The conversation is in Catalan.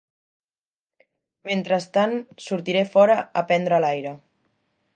Mentrestant, sortiré fora a prendre l'aire.